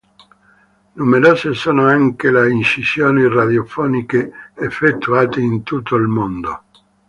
Numerose sono anche le incisioni radiofoniche effettuate in tutto il mondo.